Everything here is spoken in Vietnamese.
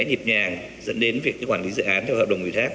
nhàng dẫn đến việc quản lý dự án theo hợp đồng người khác